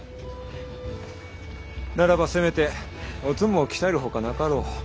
ならばせめておつむを鍛えるほかなかろう。